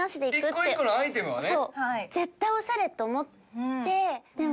一個一個のアイテムはね。